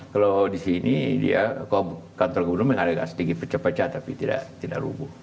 kalau di sini kantor gubernur memang ada sedikit pecah pecah tapi tidak rubuh